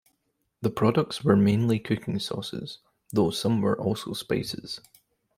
The products were mainly cooking sauces, though some are also spices.